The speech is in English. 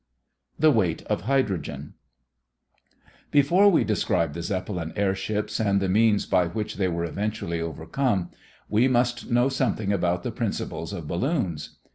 THE WEIGHT OF HYDROGEN Before we describe the Zeppelin airships and the means by which they were eventually overcome, we must know something about the principles of balloons.